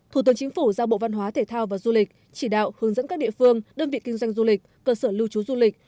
thủ tướng chính phủ giao bộ văn hóa thể thao và du lịch chỉ đạo hướng dẫn các địa phương đơn vị kinh doanh du lịch cơ sở lưu trú du lịch